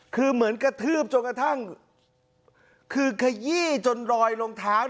คือเหมือนกระทืบจนกระทั่งคือขยี้จนรอยรองเท้า